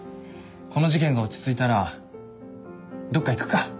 この事件が落ち着いたらどこか行くか？